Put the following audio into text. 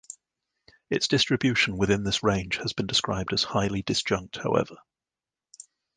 Its distribution within this range has been described as "highly disjunct" however.